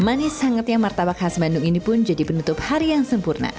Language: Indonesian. manis sangatnya martabak khas bandung ini pun jadi penutup hari yang sempurna